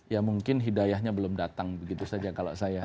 ya mungkin hidayahnya belum datang begitu saja kalau saya